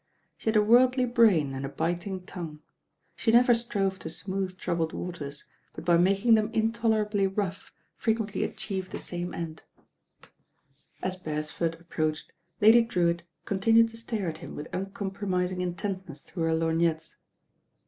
She had a worldly brain and a biting tongue. She never strove to smooth troubled waters; but by making them in tolerably rough frequently achieved the same end LORD DREWITTS PERPLEXITIES 9T As Beresford approached, Lady Drewitt con tinued to stare at him with uncompromising intent" ness through her lorgnettes.